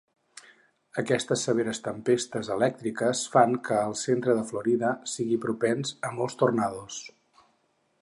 Aquestes severes tempestes elèctriques fan que el centre de Florida sigui propens a molts tornados.